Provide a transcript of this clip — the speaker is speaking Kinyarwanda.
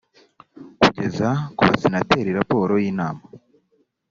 kugeza ku basenateri raporo y inama